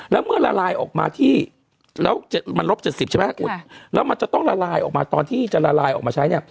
แล้วเมื่อละลายออกมาที่แล้วมันลบ๗๐ใช่ไหมแล้วมันจะต้องละลายออกมาตอนที่จะละลายออกมาใช้เนี่ย